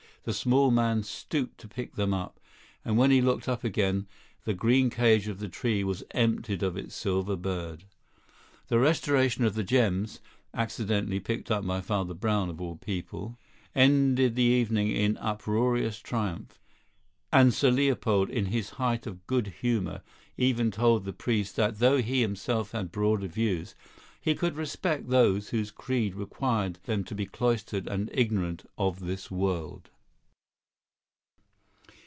The small man stooped to pick them up, and when he looked up again the green cage of the tree was emptied of its silver bird. The restoration of the gems (accidentally picked up by Father Brown, of all people) ended the evening in uproarious triumph; and Sir Leopold, in his height of good humour, even told the priest that though he himself had broader views, he could respect those whose creed required them to be cloistered and ignorant of this world.